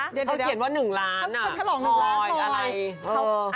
เขาเขียนว่าหนึ่งล้านอ่ะ